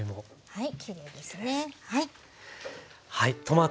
はい。